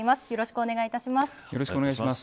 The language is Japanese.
よろしくお願いします。